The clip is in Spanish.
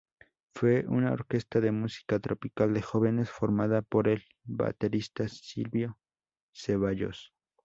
Fue una orquesta de música tropical de jóvenes formada por el baterista Silvio Ceballos.